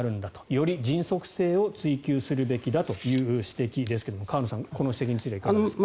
より迅速性を追求するべきだという指摘ですけれど河野さん、この指摘についてはいかがですか？